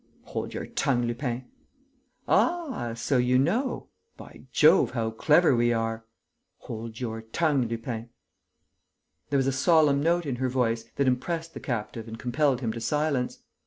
"Hold your tongue, Lupin." "Ah, so you know?... By Jove, how clever we are!" "Hold your tongue, Lupin." There was a solemn note in her voice that impressed the captive and compelled him to silence.